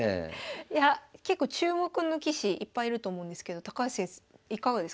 いや結構注目の棋士いっぱいいると思うんですけど高橋さんいかがですか？